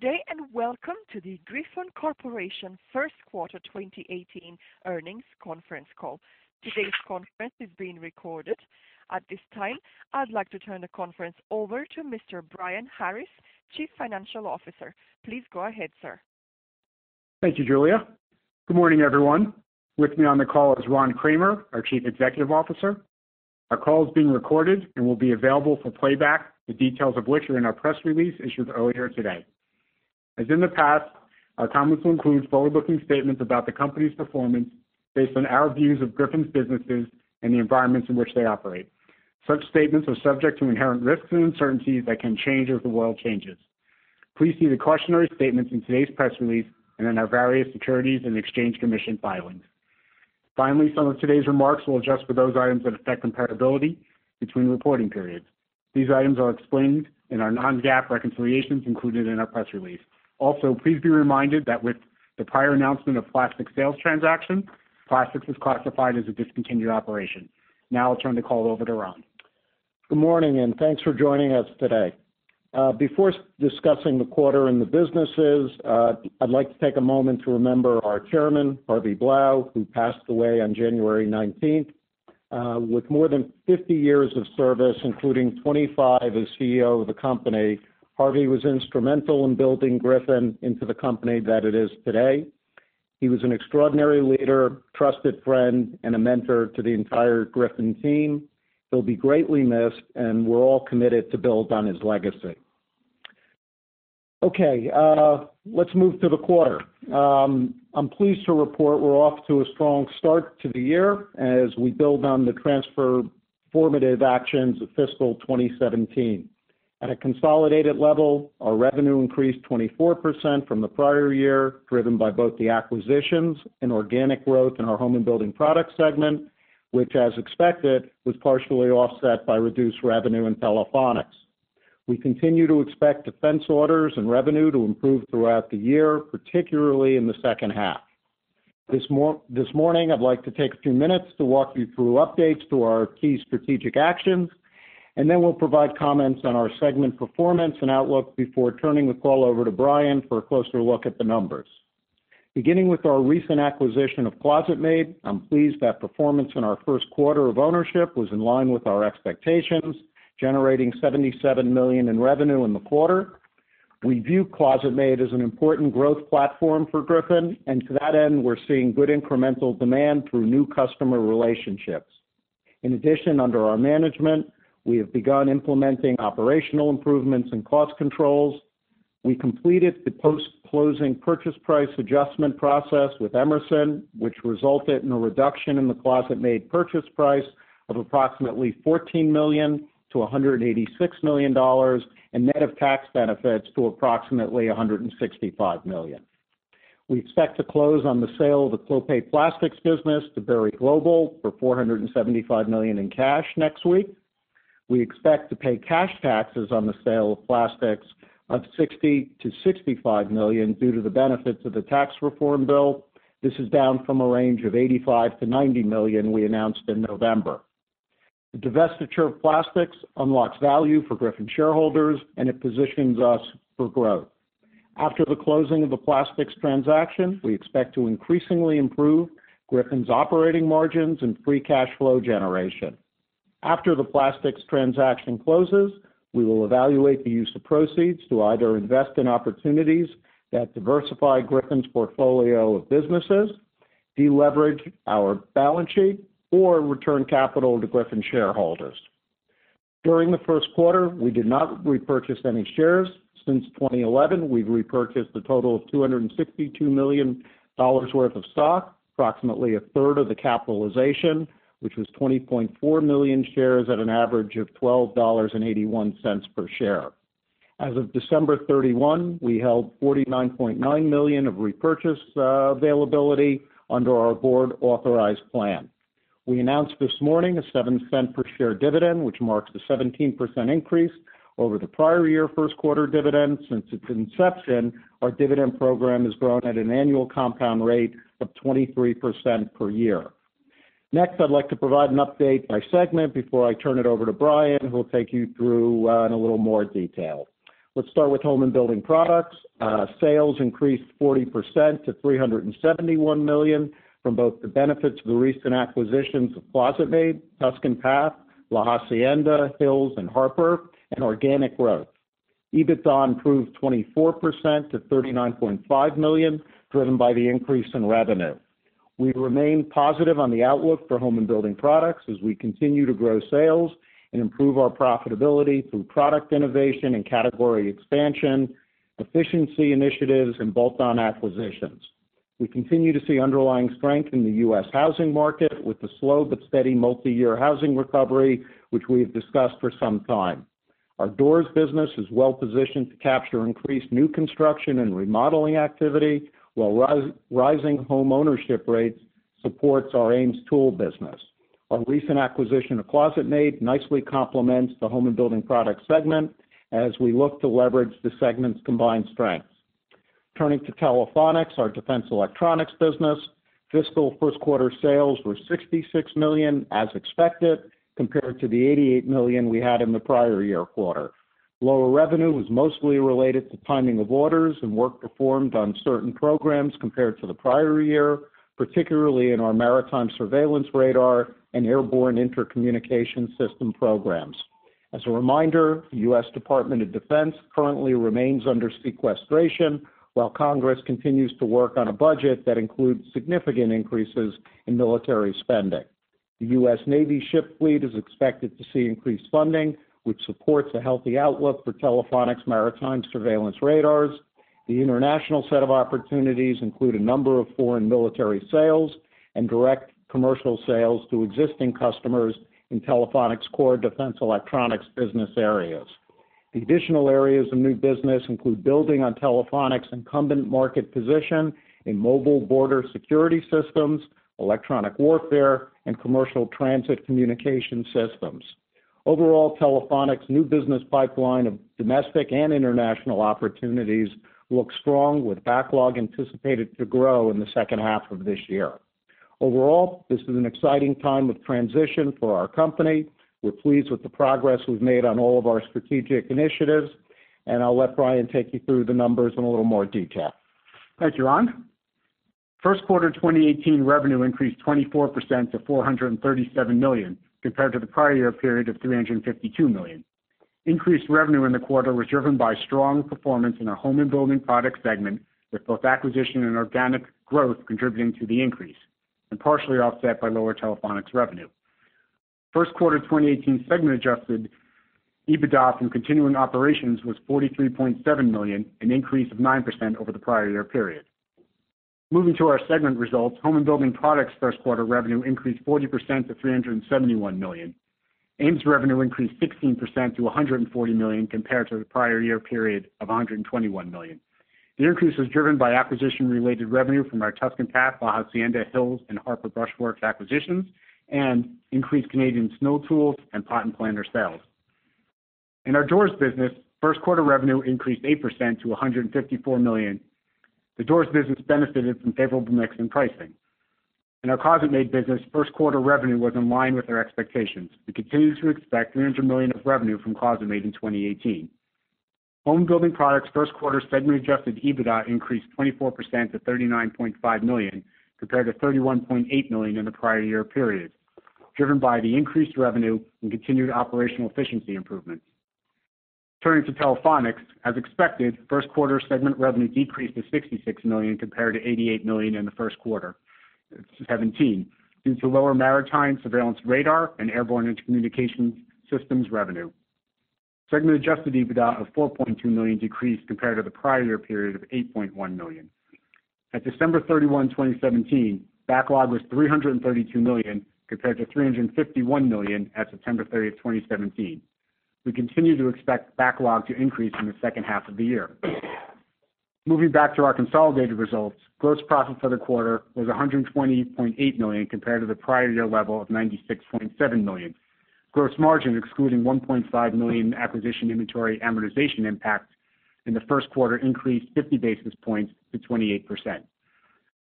Good day, welcome to the Griffon Corporation first quarter 2018 earnings conference call. Today's conference is being recorded. At this time, I'd like to turn the conference over to Mr. Brian Harris, Chief Financial Officer. Please go ahead, sir. Thank you, Julia. Good morning, everyone. With me on the call is Ron Kramer, our Chief Executive Officer. Our call is being recorded and will be available for playback, the details of which are in our press release issued earlier today. As in the past, our comments will include forward-looking statements about the company's performance based on our views of Griffon's businesses and the environments in which they operate. Such statements are subject to inherent risks and uncertainties that can change as the world changes. Please see the cautionary statements in today's press release and in our various Securities and Exchange Commission filings. Some of today's remarks will adjust for those items that affect comparability between reporting periods. These items are explained in our non-GAAP reconciliations included in our press release. Please be reminded that with the prior announcement of Plastics sales transaction, Plastics is classified as a discontinued operation. I'll turn the call over to Ron. Good morning, thanks for joining us today. Before discussing the quarter and the businesses, I'd like to take a moment to remember our Chairman, Harvey Blau, who passed away on January 19th. With more than 50 years of service, including 25 as CEO of the company, Harvey was instrumental in building Griffon into the company that it is today. He was an extraordinary leader, trusted friend, and a mentor to the entire Griffon team. He'll be greatly missed, and we're all committed to build on his legacy. Let's move to the quarter. I'm pleased to report we're off to a strong start to the year as we build on the transformative actions of fiscal 2017. At a consolidated level, our revenue increased 24% from the prior year, driven by both the acquisitions and organic growth in our Home and Building Products segment, which as expected, was partially offset by reduced revenue in Telephonics. We continue to expect defense orders and revenue to improve throughout the year, particularly in the second half. This morning, I'd like to take a few minutes to walk you through updates to our key strategic actions. Then we'll provide comments on our segment performance and outlook before turning the call over to Brian for a closer look at the numbers. Beginning with our recent acquisition of ClosetMaid, I'm pleased that performance in our first quarter of ownership was in line with our expectations, generating $77 million in revenue in the quarter. We view ClosetMaid as an important growth platform for Griffon. To that end, we're seeing good incremental demand through new customer relationships. In addition, under our management, we have begun implementing operational improvements and cost controls. We completed the post-closing purchase price adjustment process with Emerson, which resulted in a reduction in the ClosetMaid purchase price of approximately $14 million-$186 million, and net of tax benefits to approximately $165 million. We expect to close on the sale of the Clopay Plastics business to Berry Global for $475 million in cash next week. We expect to pay cash taxes on the sale of Plastics of $60 million-$65 million due to the benefits of the Tax Cuts and Jobs Act. This is down from a range of $85 million-$90 million we announced in November. The divestiture of Plastics unlocks value for Griffon shareholders. It positions us for growth. After the closing of the Plastics transaction, we expect to increasingly improve Griffon's operating margins and free cash flow generation. After the Plastics transaction closes, we will evaluate the use of proceeds to either invest in opportunities that diversify Griffon's portfolio of businesses, deleverage our balance sheet, or return capital to Griffon shareholders. During the first quarter, we did not repurchase any shares. Since 2011, we've repurchased a total of $262 million worth of stock, approximately a third of the capitalization, which was 20.4 million shares at an average of $12.81 per share. As of December 31, we held $49.9 million of repurchase availability under our board authorized plan. We announced this morning a $0.07 per share dividend, which marks the 17% increase over the prior year first quarter dividend. Since its inception, our dividend program has grown at an annual compound rate of 23% per year. Next, I'd like to provide an update by segment before I turn it over to Brian, who will take you through in a little more detail. Let's start with Home and Building Products. Sales increased 40% to $371 million from both the benefits of the recent acquisitions of ClosetMaid, Tuscan Path, La Hacienda, Hills & Harper, and organic growth. EBITDA improved 24% to $39.5 million, driven by the increase in revenue. We remain positive on the outlook for Home and Building Products as we continue to grow sales and improve our profitability through product innovation and category expansion, efficiency initiatives, and bolt-on acquisitions. We continue to see underlying strength in the U.S. housing market with the slow but steady multi-year housing recovery, which we have discussed for some time. Our doors business is well positioned to capture increased new construction and remodeling activity, while rising homeownership rates supports our AMES tool business. Our recent acquisition of ClosetMaid nicely complements the Home and Building Products segment as we look to leverage the segment's combined strengths. Turning to Telephonics, our defense electronics business. Fiscal first quarter sales were $66 million as expected, compared to the $88 million we had in the prior year quarter. Lower revenue was mostly related to timing of orders and work performed on certain programs compared to the prior year, particularly in our maritime surveillance radar and airborne intercommunication system programs. As a reminder, the U.S. Department of Defense currently remains under sequestration while Congress continues to work on a budget that includes significant increases in military spending. The U.S. Navy ship fleet is expected to see increased funding, which supports a healthy outlook for Telephonics maritime surveillance radars. The international set of opportunities include a number of foreign military sales and direct commercial sales to existing customers in Telephonics' core defense electronics business areas. The additional areas of new business include building on Telephonics' incumbent market position in mobile border security systems, electronic warfare, and commercial transit communication systems. Telephonics' new business pipeline of domestic and international opportunities looks strong, with backlog anticipated to grow in the second half of this year. This is an exciting time of transition for our company. We're pleased with the progress we've made on all of our strategic initiatives. I'll let Brian take you through the numbers in a little more detail. Thank you, Ron. First quarter 2018 revenue increased 24% to $437 million, compared to the prior year period of $352 million. Increased revenue in the quarter was driven by strong performance in our Home and Building Products segment, with both acquisition and organic growth contributing to the increase, partially offset by lower Telephonics revenue. First quarter 2018 segment adjusted EBITDA from continuing operations was $43.7 million, an increase of 9% over the prior year period. Moving to our segment results, Home and Building Products first quarter revenue increased 40% to $371 million. AMES revenue increased 16% to $140 million, compared to the prior year period of $121 million. The increase was driven by acquisition-related revenue from our Tuscan Path, La Hacienda, Hills, and Harper Brush Works acquisitions, increased Canadian snow tools and pot and planter sales. In our doors business, first quarter revenue increased 8% to $154 million. The doors business benefited from favorable mix in pricing. In our ClosetMaid business, first quarter revenue was in line with our expectations. We continue to expect $300 million of revenue from ClosetMaid in 2018. Home and Building Products first quarter segment adjusted EBITDA increased 24% to $39.5 million, compared to $31.8 million in the prior year period, driven by the increased revenue and continued operational efficiency improvements. Turning to Telephonics, as expected, first quarter segment revenue decreased to $66 million compared to $88 million in the first quarter 2017, due to lower maritime surveillance radar and airborne intercommunications systems revenue. Segment adjusted EBITDA of $4.2 million decreased compared to the prior year period of $8.1 million. At December 31, 2017, backlog was $332 million, compared to $351 million at September 30, 2017. We continue to expect backlog to increase in the second half of the year. Moving back to our consolidated results, gross profit for the quarter was $120.8 million compared to the prior year level of $96.7 million. Gross margin, excluding $1.5 million in acquisition inventory amortization impact in the first quarter, increased 50 basis points to 28%.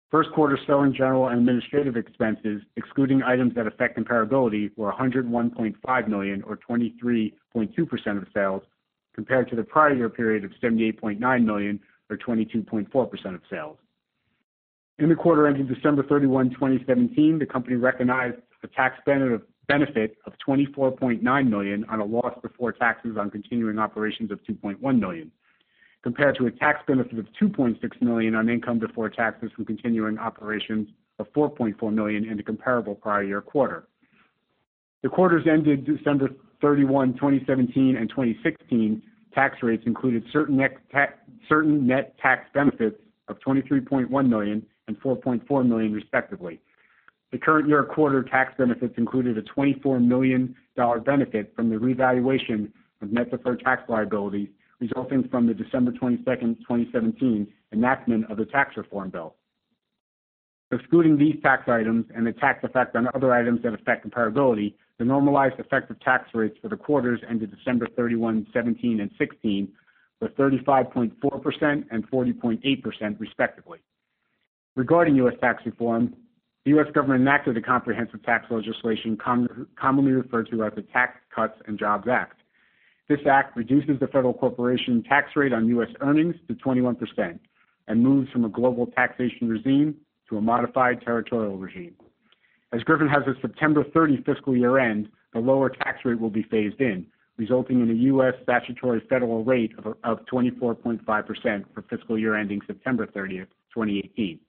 First quarter selling, general and administrative expenses, excluding items that affect comparability, were $101.5 million or 23.2% of sales, compared to the prior year period of $78.9 million or 22.4% of sales. In the quarter ending December 31, 2017, the company recognized a tax benefit of $24.9 million on a loss before taxes on continuing operations of $2.1 million, compared to a tax benefit of $2.6 million on income before taxes from continuing operations of $4.4 million in the comparable prior year quarter. The quarters ending December 31, 2017, and 2016 tax rates included certain net tax benefits of $23.1 million and $4.4 million, respectively. The current year quarter tax benefits included a $24 million benefit from the revaluation of net deferred tax liability resulting from the December 22, 2017, enactment of the Tax Cuts and Jobs Act. Excluding these tax items and the tax effect on other items that affect comparability, the normalized effective tax rates for the quarters ended December 31, 2017 and 2016, were 35.4% and 40.8%, respectively. Regarding U.S. tax reform, the U.S. government enacted a comprehensive tax legislation commonly referred to as the Tax Cuts and Jobs Act. This act reduces the federal corporation tax rate on U.S. earnings to 21% and moves from a global taxation regime to a modified territorial regime. As Griffon has a September 30 fiscal year-end, the lower tax rate will be phased in, resulting in a U.S. statutory federal rate of 24.5% for fiscal year ending September 30, 2018.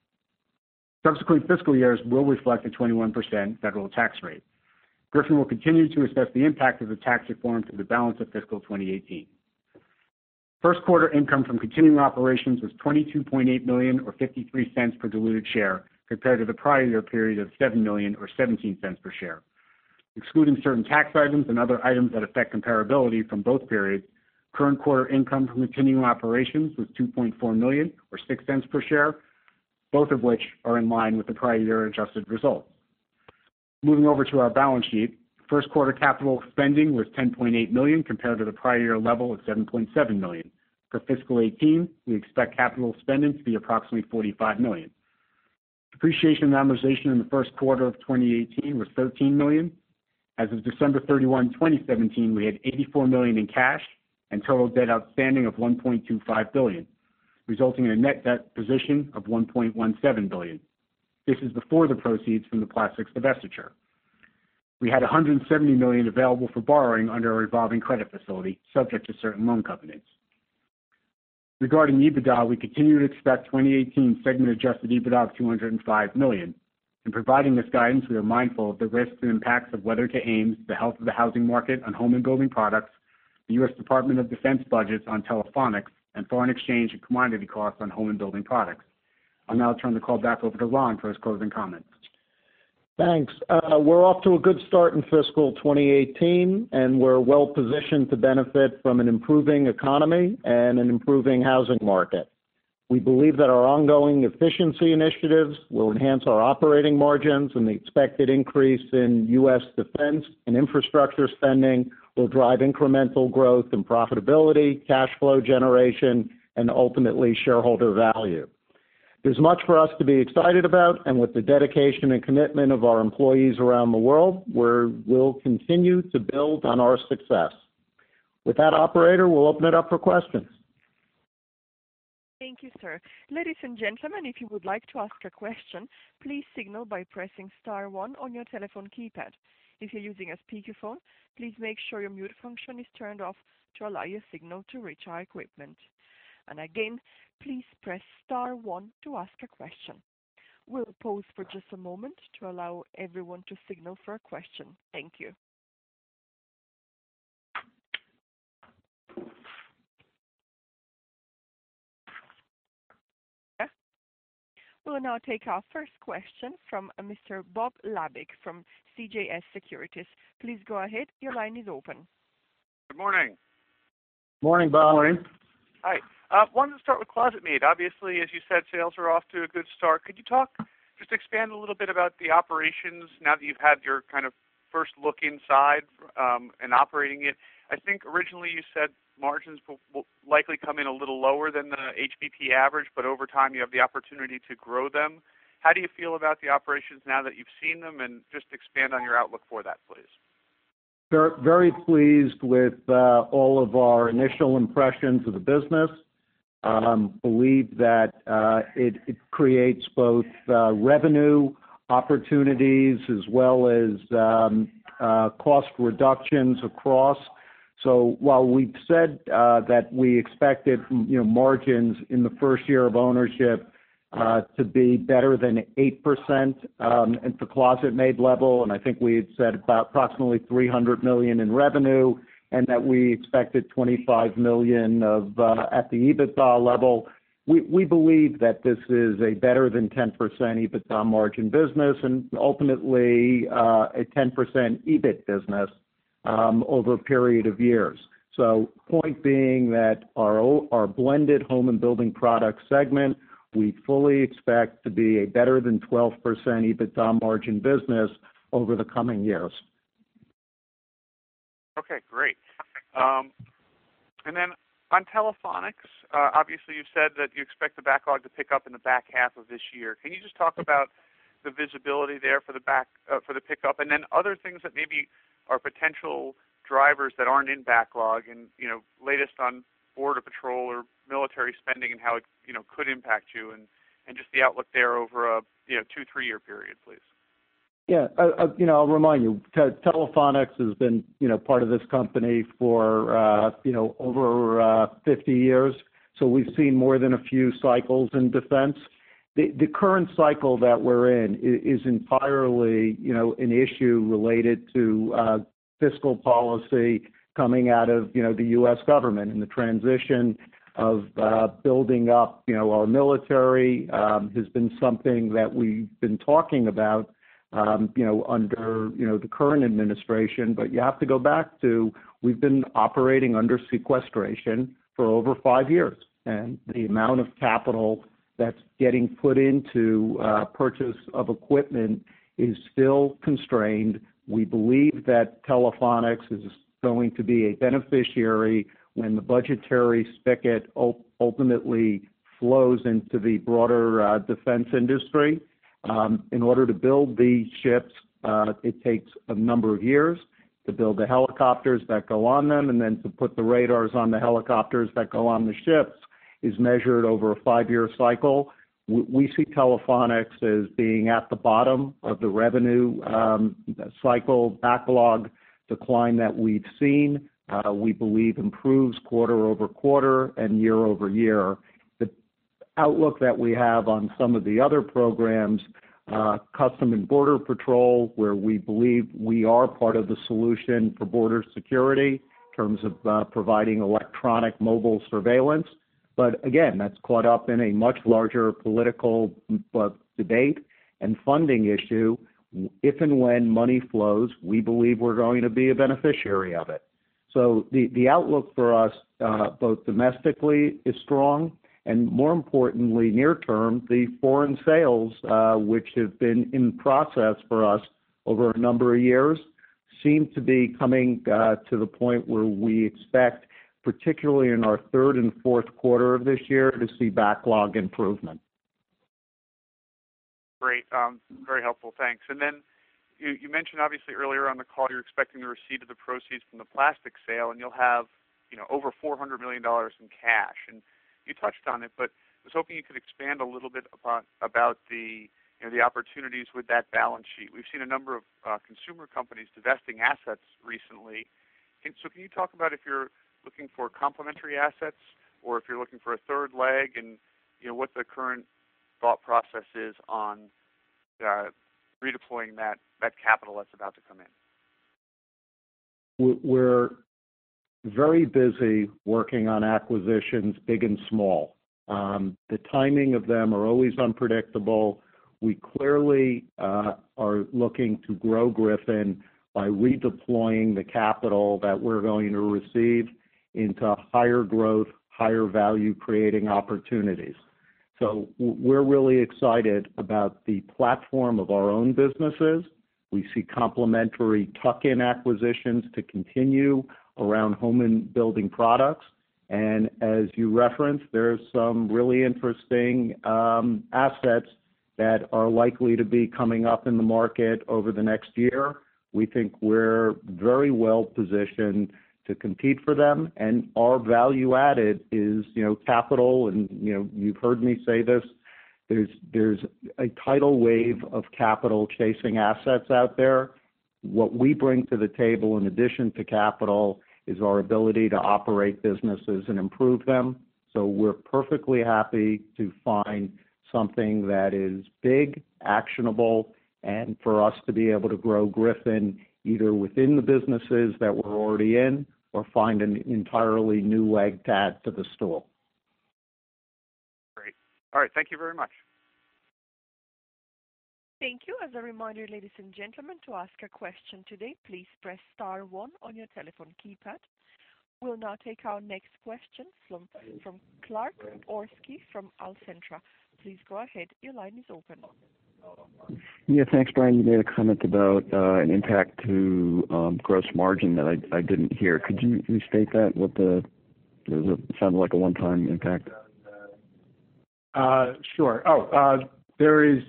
Subsequent fiscal years will reflect a 21% federal tax rate. Griffon will continue to assess the impact of the tax reform for the balance of fiscal 2018. First quarter income from continuing operations was $22.8 million or $0.53 per diluted share, compared to the prior year period of $7 million or $0.17 per share. Excluding certain tax items and other items that affect comparability from both periods, current quarter income from continuing operations was $2.4 million or $0.06 per share, both of which are in line with the prior year adjusted result. Moving over to our balance sheet. First quarter capital spending was $10.8 million compared to the prior year level of $7.7 million. For fiscal 2018, we expect capital spending to be approximately $45 million. Depreciation and amortization in the first quarter of 2018 was $13 million. As of December 31, 2017, we had $84 million in cash and total debt outstanding of $1.25 billion, resulting in a net debt position of $1.17 billion. This is before the proceeds from the Plastics divestiture. We had $170 million available for borrowing under our revolving credit facility, subject to certain loan covenants. Regarding EBITDA, we continue to expect 2018 segment adjusted EBITDA of $205 million. In providing this guidance, we are mindful of the risks and impacts of weather to AMES, the health of the housing market on Home and Building Products, the U.S. Department of Defense budgets on Telephonics, and foreign exchange and commodity costs on Home and Building Products. I'll now turn the call back over to Ron for his closing comments. Thanks. We're off to a good start in fiscal 2018, and we're well-positioned to benefit from an improving economy and an improving housing market. We believe that our ongoing efficiency initiatives will enhance our operating margins, and the expected increase in U.S. defense and infrastructure spending will drive incremental growth and profitability, cash flow generation, and ultimately shareholder value. There's much for us to be excited about, and with the dedication and commitment of our employees around the world, we'll continue to build on our success. With that, operator, we'll open it up for questions. Thank you, sir. Ladies and gentlemen, if you would like to ask a question, please signal by pressing star one on your telephone keypad. If you're using a speakerphone, please make sure your mute function is turned off to allow your signal to reach our equipment. Again, please press star one to ask a question. We'll pause for just a moment to allow everyone to signal for a question. Thank you. We'll now take our first question from Mr. Bob Labick from CJS Securities. Please go ahead. Your line is open. Good morning. Morning, Bob. Morning. Hi. Wanted to start with ClosetMaid. Obviously, as you said, sales are off to a good start. Just expand a little bit about the operations now that you've had your kind of first look inside, and operating it? I think originally you said margins will likely come in a little lower than the HBP average, but over time, you have the opportunity to grow them. How do you feel about the operations now that you've seen them? Just expand on your outlook for that, please. Very pleased with all of our initial impressions of the business. Believe that it creates both revenue opportunities as well as cost reductions across. While we've said that we expected margins in the first year of ownership to be better than 8% at the ClosetMaid level, and I think we had said about approximately $300 million in revenue, and that we expected $25 million at the EBITDA level. We believe that this is a better than 10% EBITDA margin business and ultimately, a 10% EBIT business, over a period of years. Point being that our blended Home and Building Products segment, we fully expect to be a better than 12% EBITDA margin business over the coming years. Okay, great. Then on Telephonics, obviously you've said that you expect the backlog to pick up in the back half of this year. Can you just talk about the visibility there for the pickup, and then other things that maybe are potential drivers that aren't in backlog and latest on Border Patrol or military spending and how it could impact you and just the outlook there over a two, three-year period, please. Yeah. I'll remind you, Telephonics has been part of this company for over 50 years. We've seen more than a few cycles in defense. The current cycle that we're in is entirely an issue related to fiscal policy coming out of the U.S. government and the transition of building up our military has been something that we've been talking about under the current administration. You have to go back to, we've been operating under sequestration for over five years, and the amount of capital that's getting put into purchase of equipment is still constrained. We believe that Telephonics is going to be a beneficiary when the budgetary spigot ultimately flows into the broader defense industry. In order to build these ships, it takes a number of years. To build the helicopters that go on them and then to put the radars on the helicopters that go on the ships is measured over a five-year cycle. We see Telephonics as being at the bottom of the revenue cycle backlog decline that we've seen, we believe improves quarter-over-quarter and year-over-year. The outlook that we have on some of the other programs, U.S. Customs and Border Protection, where we believe we are part of the solution for border security in terms of providing electronic mobile surveillance. Again, that's caught up in a much larger political debate and funding issue. If and when money flows, we believe we're going to be a beneficiary of it. The outlook for us, both domestically, is strong, and more importantly, near-term, the foreign sales, which have been in process for us over a number of years, seem to be coming to the point where we expect, particularly in our third and fourth quarter of this year, to see backlog improvement. Great. Very helpful. Thanks. Then you mentioned, obviously, earlier on the call, you're expecting the receipt of the proceeds from the plastic sale, and you'll have over $400 million in cash. You touched on it, but I was hoping you could expand a little bit about the opportunities with that balance sheet. We've seen a number of consumer companies divesting assets recently. Can you talk about if you're looking for complementary assets or if you're looking for a third leg and what the current thought process is on redeploying that capital that's about to come in? We're very busy working on acquisitions, big and small. The timing of them are always unpredictable. We clearly are looking to grow Griffon by redeploying the capital that we're going to receive into higher growth, higher value-creating opportunities. We're really excited about the platform of our own businesses. We see complementary tuck-in acquisitions to continue around Home and Building Products. As you referenced, there's some really interesting assets that are likely to be coming up in the market over the next year. We think we're very well-positioned to compete for them, and our value added is capital, and you've heard me say this. There's a tidal wave of capital chasing assets out there. What we bring to the table, in addition to capital, is our ability to operate businesses and improve them. We're perfectly happy to find something that is big, actionable, and for us to be able to grow Griffon, either within the businesses that we're already in or find an entirely new leg to add to the store. Great. All right. Thank you very much. Thank you. As a reminder, ladies and gentlemen, to ask a question today, please press star one on your telephone keypad. We'll now take our next question from Clark Orsky from Alcentra. Please go ahead. Your line is open. Thanks, Brian. You made a comment about an impact to gross margin that I didn't hear. Could you restate that? It sounded like a one-time impact. Sure. Oh, there is,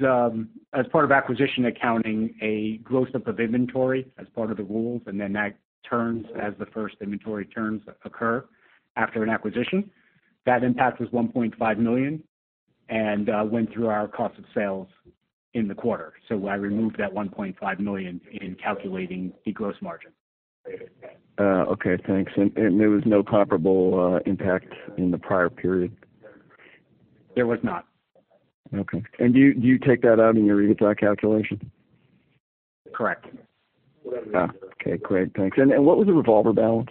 as part of acquisition accounting, a gross up of inventory as part of the rules, and then that turns as the first inventory turns occur after an acquisition. That impact was $1.5 million and went through our cost of sales in the quarter. I removed that $1.5 million in calculating the gross margin. Okay, thanks. There was no comparable impact in the prior period? There was not. Okay. Do you take that out in your EBITDA calculation? Correct. Okay, great. Thanks. What was the revolver balance?